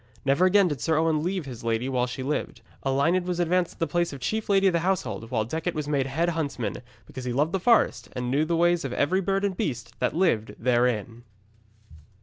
Never again did Sir Owen leave his lady while she lived. Elined was advanced to the place of Chief Lady of the Household, while Decet was made Head Huntsman, because he loved the forest, and knew the ways of every bird and beast that lived therein.